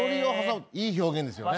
いい表現ですよね。